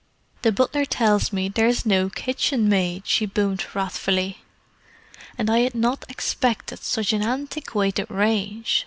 "The butler tells me there is no kitchenmaid," she boomed wrathfully. "And I had not expected such an antiquated range.